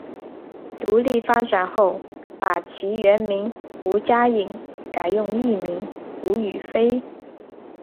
独立发展后把其原名吴家颖改用艺名吴雨霏。